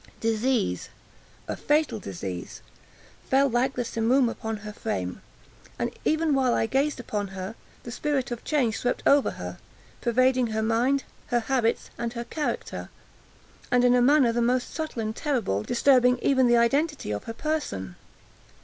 Disease—a fatal disease, fell like the simoon upon her frame; and, even while I gazed upon her, the spirit of change swept over her, pervading her mind, her habits, and her character, and, in a manner the most subtle and terrible, disturbing even the identity of her person!